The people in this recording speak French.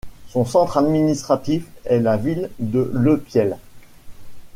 Son centre administratif est la ville de Lepiel.